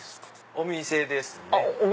お店ですね。